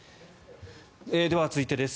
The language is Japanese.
では、続いてです。